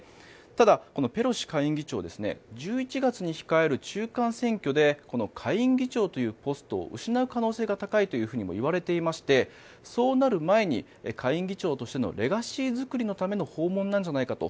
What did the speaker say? ただ、このペロシ下院議長１１月に控える中間選挙で下院議長というポストを失う可能性が高いとも言われていましてそうなる前に下院議長としてのレガシー作りのための訪問なんじゃないかと。